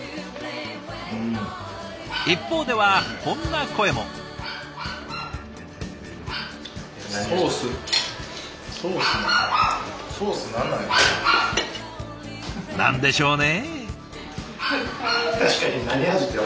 一方ではこんな声も。何でしょうね？